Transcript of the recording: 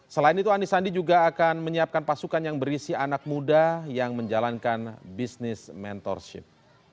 selain itu anies sandi juga akan menyiapkan pasukan yang berisi anak muda yang menjalankan bisnis mentorship